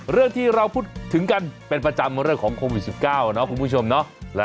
เรื่องที่เราพูดถึงกันเป็นประจำเรื่องของโควิด๑๙เนาะคุณผู้ชมเนาะ